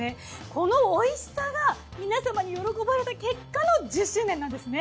このおいしさが皆さまに喜ばれた結果の１０周年なんですね。